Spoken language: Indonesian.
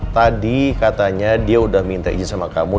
tadi katanya dia udah minta izin sama kamu